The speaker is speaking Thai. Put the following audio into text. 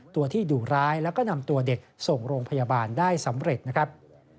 ตัวที่ดุร้ายแล้วก็นำตัวเด็กส่งโรงพยาบาลได้สำเร็จนะครับ